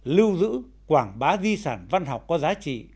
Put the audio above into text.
lưu giữ quảng bá di sản văn học có giá trị